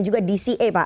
juga dca pak